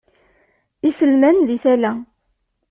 Iselman deg tala.